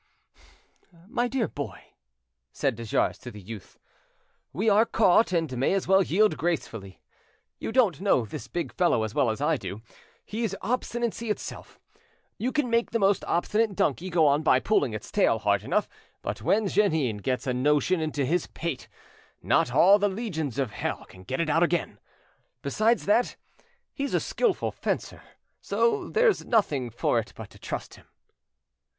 "My dear boy," said de Jars to the youth, "we are caught, and may as well yield gracefully. You don't know this big fellow as well as I do. He's obstinacy itself. You can make the most obstinate donkey go on by pulling its tail hard enough, but when Jeannin gets a notion into his pate, not all the legions of hell can get it out again. Besides that, he's a skilful fencer, so there's nothing for it but to trust him."